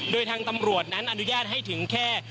โดยทางตำรวจนั้นอนุญาตให้ถึงแค่